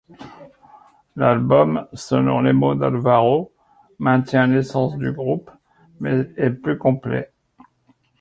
L'album, selon les mots d’Alvaro, maintient l’essence du groupe, mais est plus complet.